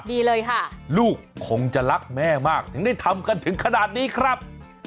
ดีเลยค่ะลูกคงจะรักแม่มากถึงได้ทำกันถึงขนาดนี้ครับ